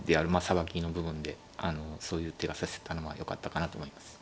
さばきの部分であのそういう手が指せたのはよかったかなと思います。